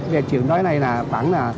về trường đói này là khoảng